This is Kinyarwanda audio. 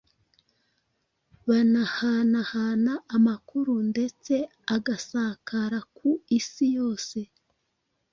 bahanahana amakuru ndetse agasakara ku isi yose.